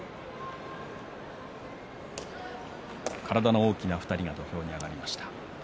体の大きな２人が土俵に上がりました。